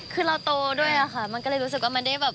คือเราโตด้วยอะค่ะมันก็เลยรู้สึกว่ามันได้แบบ